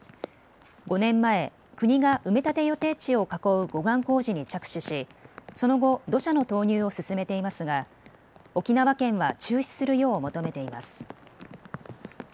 ５年前、国が埋め立て予定地を囲う護岸工事に着手しその後、土砂の投入を進めていますが沖縄県は中止するよう求めています。